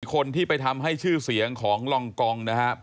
คนที่ไปทำให้ชื่อเสียงของลองกองนะครับ